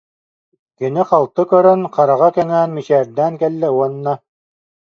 Кинини халты көрөн, хараҕа кэҥээн мичээрдээн кэллэ уонна: